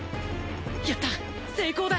やった成功だ！